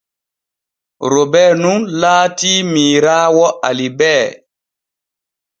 Robee nun laatii miiraawo Alibee.